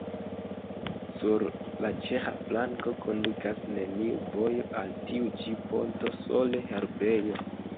Sur la ĉeĥa flanko kondukas neniu vojo al tiu ĉi ponto, sole herbejo.